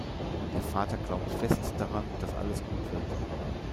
Der Vater glaubt fest daran, dass alles gut wird.